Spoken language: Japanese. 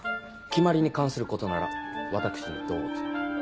決まりに関することなら私にどうぞ。